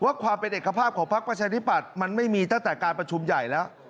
ความเป็นเอกภาพของพักประชาธิปัตย์มันไม่มีตั้งแต่การประชุมใหญ่แล้ว